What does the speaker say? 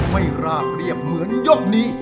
ราบเรียบเหมือนยกนี้